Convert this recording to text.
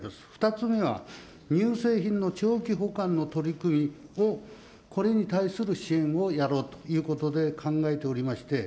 ２つ目は、乳製品の長期保管の取り組みを、これに対する支援をやろうということで考えておりまして。